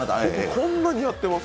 こんなにやってます？